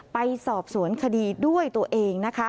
ไปสอบสวนคดีด้วยตัวเองนะคะ